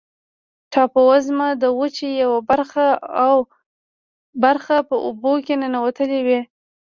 ټاپووزمه د وچې یوه برخه په اوبو کې ننوتلې وي.